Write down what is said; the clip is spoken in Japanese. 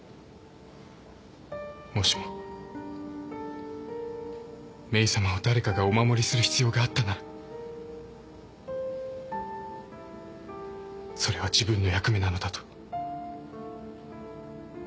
もしもメイさまを誰かがお守りする必要があったならそれは自分の役目なのだと。